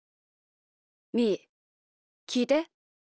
みーきいて。